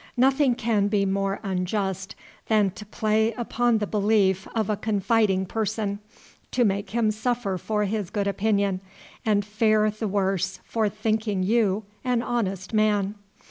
Nothing can be more unjust than to play upon the belief of a confiding person, to make him suffer for his good opinion, and fare the worse for thinking you an honest man.